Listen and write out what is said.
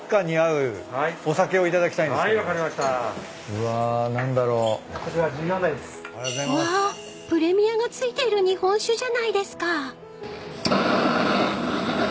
［うわプレミアが付いてる日本酒じゃないですか］